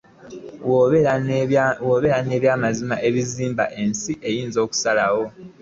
Bw'obeera ennyo ow'amazima bizibensi eyinza okkusala.